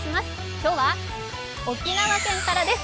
今日は沖縄県からです。